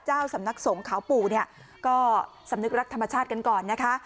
เจ้าสำนักสงขาวปู่เนี่ยก็สำนึกรักธรรมชาติกันก่อนนะคะ